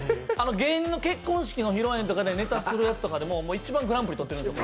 芸人の結婚式の披露宴とかでネタするやつでも一番グランプリとってるんですよ。